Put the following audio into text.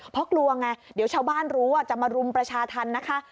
เพราะกลัวไงเดี๋ยวชาวบ้านรู้จะมารุมประชาธรรมนะคะ